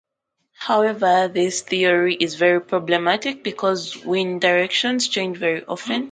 However, this theory is very problematic, because wind directions change very often.